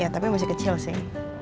tapi masih kecil sih